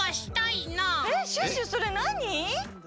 えシュッシュそれなに？